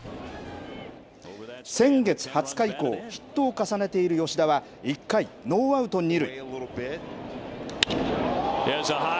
先月２０日以降、ヒットを重ねている吉田は１回、ノーアウト２塁。